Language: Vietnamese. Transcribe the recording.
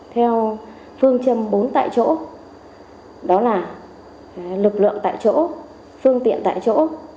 theo phương châm bốn tại chỗ đó là lực lượng tại chỗ phương tiện tại chỗ